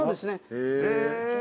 へえ。